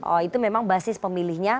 oh itu memang basis pemilihnya